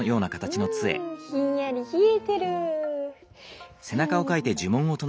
うんひんやりひえてる。